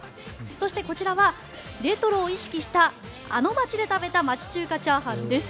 そして、こちらはレトロを意識したあの町で食べた町中華チャーハンです。